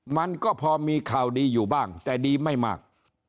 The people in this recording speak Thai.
มันก็พอมีข่าวดีอยู่บ้างแต่ดีไม่มาก